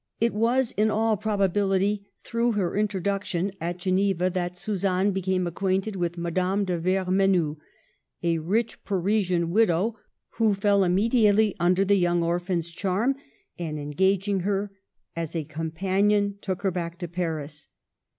It was, in all probability, through her introduction at Geneva that Suzanne became acquainted with Madame de Vermenoux, a rich Parisian widow, who fell immediately under the young orphan's charm, and, engaging her as a companion, took her back to Paris.